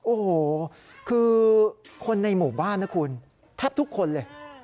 โอ้โหคือคนในหมู่บ้านนะคุณแทบทุกคนเลย